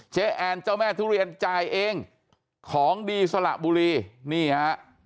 แอนเจ้าแม่ทุเรียนจ่ายเองของดีสละบุรีนี่ฮะ